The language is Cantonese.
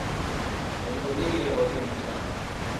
你講啲嘢我聽到晒